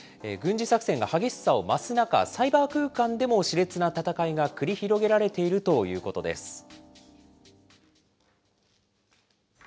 軍事作戦が激しさを増す中、サイバー空間でもしれつな戦いが繰り広げられているということです。